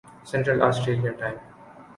central Australia time